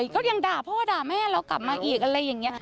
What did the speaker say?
ก็ยังด่าพ่อด่าแม่เรากลับมาอีกอะไรอย่างนี้